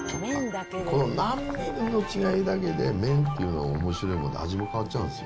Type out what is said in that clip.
この何ミリの違いだけで、麺というのはおもしろいもんで味も変わっちゃうんですよ。